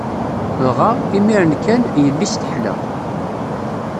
Dɣa, imiren kan, yelli-s teḥla.